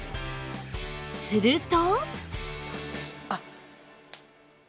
すると